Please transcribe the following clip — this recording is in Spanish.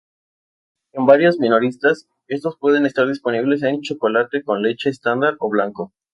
En varios minoristas, estos pueden estar disponibles en chocolate con leche estándar o blanco.